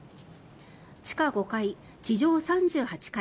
地下５階、地上３８階